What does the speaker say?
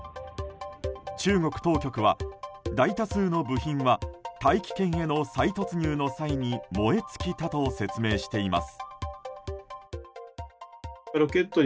中国当局は、大多数の部品は大気圏への再突入の際に燃え尽きたと説明しています。